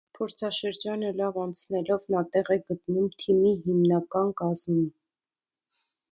Փորձաշրջանը լավ անցնելով նա տեղ է գտնում թիմի հիմնական կազմում։